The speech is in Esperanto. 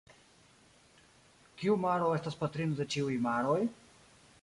Kiu maro estas patrino de ĉiuj maroj?